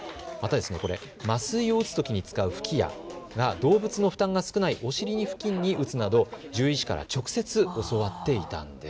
また麻酔を打つときに使う吹き矢、動物の負担が少ないお尻付近に打つなど獣医師から直接教わっていたんです。